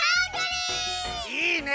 いいね。